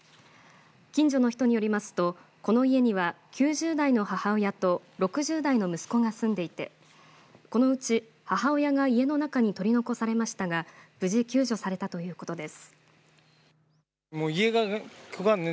近所の人によりますとこの家には９０代の母親と６０代の息子が住んでいてこのうち母親が家の中に取り残されましたが無事救助されたということです。